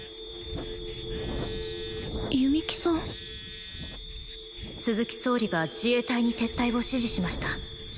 弓木さん「鈴木総理が自衛隊に撤退を指示しました」